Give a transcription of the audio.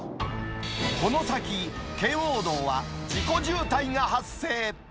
この先、圏央道は事故渋滞が発生。